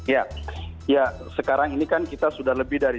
ya ya sekarang ini kan kita sudah lebih dari